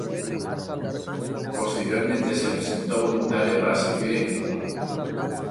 Posteriormente se presentó voluntario para servir en Cuba.